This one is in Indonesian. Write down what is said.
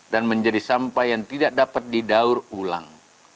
dan menjadi sampah yang tidak dapat didaur ulang